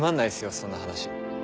そんな話。